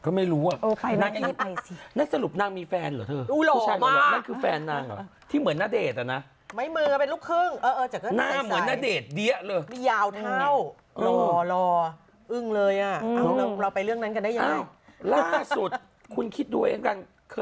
ก็ไม่รู้อ่ะแล้วสรุปนางมีแฟนเหรอเธอ